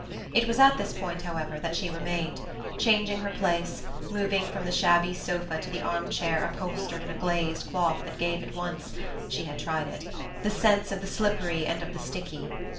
It was at this point, however, that she remained; changing her place, moving from the shabby sofa to the armchair upholstered in a glazed cloth that gave at once she had tried it the sense of the slippery and of the sticky.